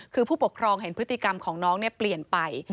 คือผู้ปกครองเห็นพฤติกรรมของน้องเปลี่ยนไป